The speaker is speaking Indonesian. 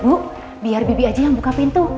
bu biar bibi aja yang buka pintu